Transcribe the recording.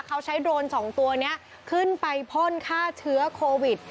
เขาใช้โดรนสองตัวนี้ขึ้นไปพ่นฆ่าเชื้อโควิด